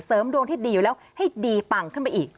ดวงที่ดีอยู่แล้วให้ดีปังขึ้นไปอีก